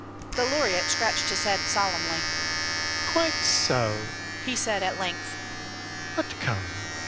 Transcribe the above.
The laureate scratched his head solemnly. "Quite so," he said, at length.